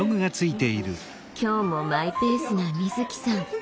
今日もマイペースなみずきさん。